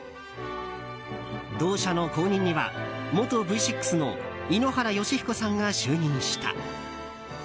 同社の後任には元Ｖ６の井ノ原快彦さんが就任した。